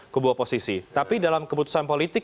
kebuah posisi tapi dalam keputusan politik